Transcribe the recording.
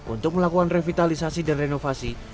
untuk melakukan revitalisasi dan renovasi